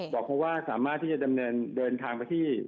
บอกว่าสามารถที่จะดำเนินเดินทางไปที่